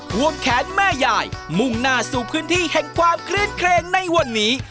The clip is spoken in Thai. วงแขนแม่ยายมุ่งหน้าสู่พื้นที่แห่งความคลื่นเครงในวันนี้